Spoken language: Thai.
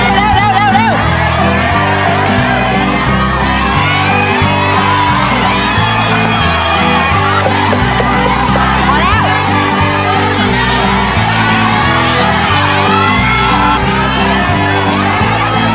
เร็วเร็วเร็วเร็ว